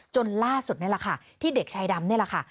ล่าสุดนี่แหละค่ะที่เด็กชายดำนี่แหละค่ะ